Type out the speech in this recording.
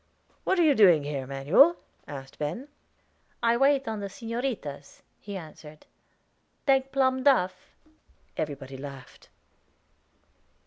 "What are you doing here, Manuel?" asked Ben. "I wait on the señoritas," he answered. "Take plum duff?" Everybody laughed.